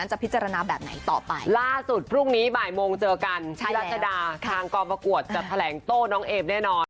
จะแถลงโต้น้องเอมแน่นอน